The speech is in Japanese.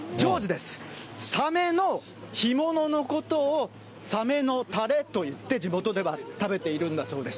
サメの干物のことをサメのたれといって、地元では食べているんだそうです。